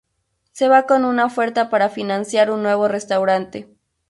Se va con una oferta para financiar un nuevo restaurante.